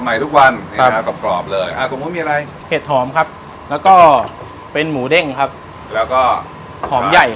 ไข่นกไข่ละกระทานะอ่ารวกธรรมดาและอะไรเลย